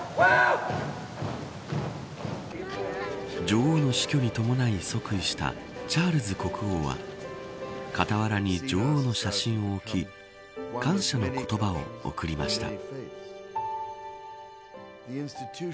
女王の死去に伴い、即位したチャールズ国王は傍らに女王の写真を置き感謝の言葉を贈りました。